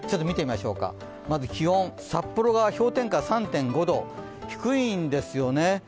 まず気温、札幌が氷点下３．５度低いんですよね。